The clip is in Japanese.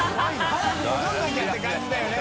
早く戻らなきゃって感じだよね。